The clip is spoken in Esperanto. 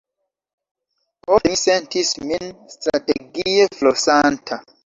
Ofte mi sentis min strategie flosanta.